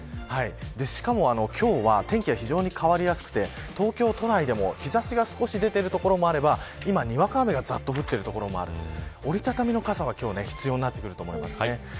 しかも今日は天気が非常に変わりやすくて東京都内でも日差しが少し出ている所もあれば今にわか雨がざっと降っている所もあり折り畳みの傘は必要になってくると思います。